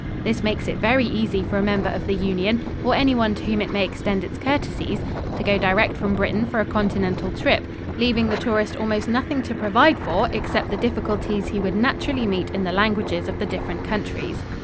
This makes it very easy for a member of the Union or anyone to whom it may extend its courtesies to go direct from Britain for a continental trip, leaving the tourist almost nothing to provide for except the difficulties he would naturally meet in the languages of the different countries.